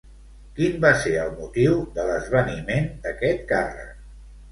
Quin va ser el motiu de l'esvaniment d'aquest càrrec?